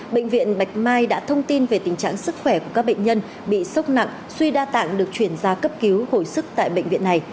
bệnh viện bạch mai đã thông tin về tình trạng sức khỏe của các bệnh nhân bị sốc nặng suy đa tạng được chuyển ra cấp cứu hồi sức tại bệnh viện này